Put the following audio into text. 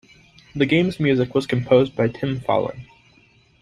The game's music was composed by Tim Follin.